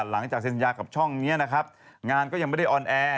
หลังจากสัญญากับช่องนี้นะครับงานก็ยังไม่ได้ออนแอร์